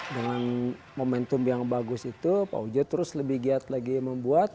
dengan momentum yang bagus itu pak ujo terus lebih giat lagi membuat